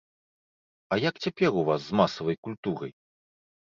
А як цяпер у вас з масавай культурай?